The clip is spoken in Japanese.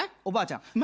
おばあちゃん